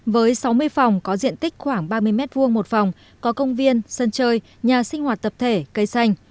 với sáu mươi phòng có diện tích khoảng ba mươi m hai một phòng có công viên sân chơi nhà sinh hoạt tập thể cây xanh